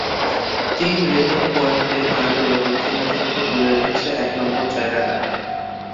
তিন rating point হারালেও দক্ষিণ আফ্রিকা ধরে রেখেছে এক নম্বর জায়গাটা।